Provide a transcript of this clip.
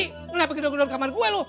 kenapa bikin dong dong kamar gue lu